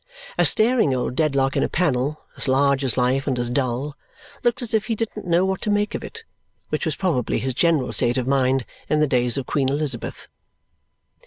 A staring old Dedlock in a panel, as large as life and as dull, looks as if he didn't know what to make of it, which was probably his general state of mind in the days of Queen Elizabeth.